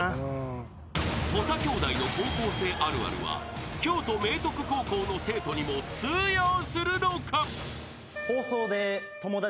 ［土佐兄弟の高校生あるあるは京都明徳高校の生徒にも通用するのか？］